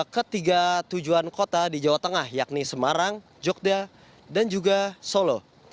ketiga tujuan kota di jawa tengah yakni semarang jogja dan juga solo